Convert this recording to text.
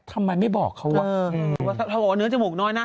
ทำไมไม่บอกเขาอ่ะถ้าบอกว่าเนื้อจมูกน้อยนะ